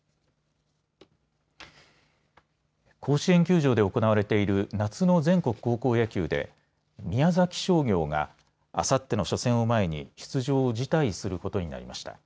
甲子園球場で行われている夏の全国高校野球で宮崎商業があさっての初戦を前に出場を辞退することになりました。